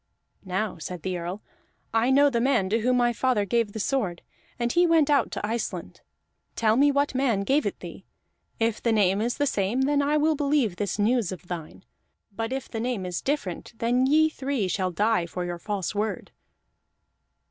"Now," said the Earl, "I know the man to whom my father gave the sword, and he went out to Iceland. Tell me what man gave it thee; if the name is the same, then will I believe this news of thine. But if the name is different, then ye three shall die for your false word."